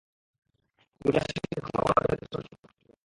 তুমি তার সাথে কথা বলার জন্য এত ছটফট করছ কেন?